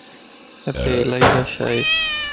ھتي الائي رش ائي